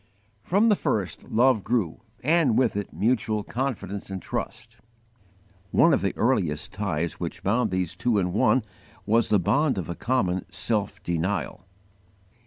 From the first, love grew, and with it, mutual confidence and trust. One of the earliest ties which bound these two in one was the bond of a _common self denial.